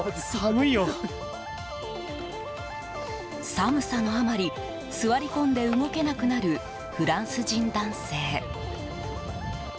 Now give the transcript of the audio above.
寒さのあまり座り込んで動けなくなるフランス人男性。